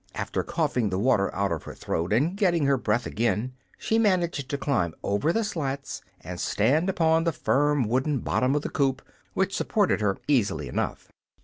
After coughing the water out of her throat and getting her breath again, she managed to climb over the slats and stand upon the firm wooden bottom of the coop, which supported her easily enough.